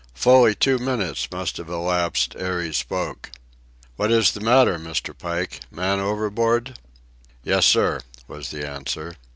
Fully two minutes must have elapsed ere he spoke. "What is the matter, Mr. Pike? Man overboard?" "Yes, sir," was the answer.